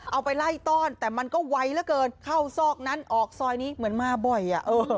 เอาไปไล่ต้อนแต่มันก็ไวเหลือเกินเข้าซอกนั้นออกซอยนี้เหมือนมาบ่อย